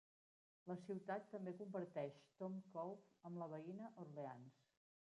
La ciutat també comparteix Town Cove amb la veïna Orleans.